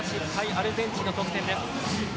アルゼンチンの得点です。